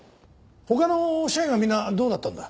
他の社員はみんなどうだったんだ？